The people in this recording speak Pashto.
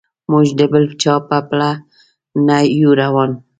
موږ د بل چا په پله نه یو روان.